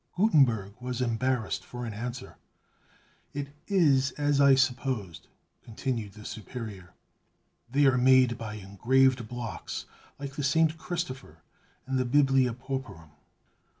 Gutenberg was embarrassed for an answer. "It is as I supposed," continued the Superior. "They are made by engraved blocks, like the 'St. Christopher' and the 'Biblia Pauperum.